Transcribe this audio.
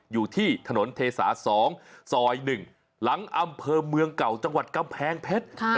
อยู่ที่ถนนเทสา๒ซอย๑หลังอำเภอเมืองเก่าจังหวัดกำแพงเพชร